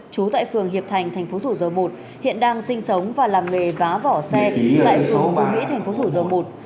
chú tại phường hiệp thành tp thủ dầu một hiện đang sinh sống và làm nghề vá vỏ xe tại phường phú mỹ tp thủ dầu một